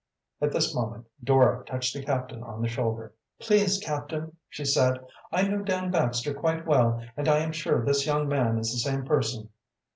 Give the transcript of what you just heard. At this moment Dora touched the captain on the shoulder. "Please, captain," she said, "I knew Dan Baxter quite well and I am sure this young man is the same person."